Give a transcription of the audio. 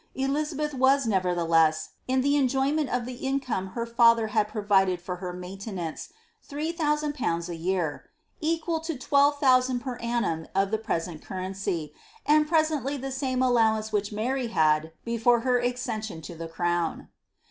Elizabeth was, nevertheless, in the enjoyment of the income her father had provi ded for her maintenance — three thousand pounds a year, equal to twelve thousand per annum of the present currency, and precisely the same allowance which Mary had before her accession to the crown.